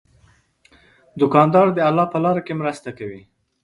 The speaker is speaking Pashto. دوکاندار د الله په لاره کې مرسته کوي.